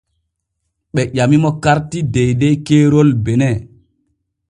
Ɓe ƴamimo karti deydey keerol Benin.